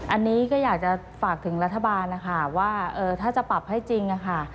อันนี้ก็อยากจะฝากถึงรัฐบาลนะคะว่าถ้าจะปรับให้จริงค่ะ